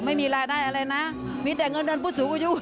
ไม่มีรายได้อะไรนะมีแต่เงินเดือนผู้สูงอายุ